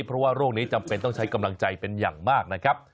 เพราะว่าโรคนี้จำเป็นต้องใช้กำลังใจเป็นอย่างมากนะครับ